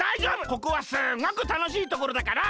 ここはすっごくたのしいところだから！